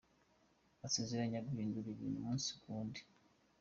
Asezeranya guhindura ibintu umunsi ku wundi.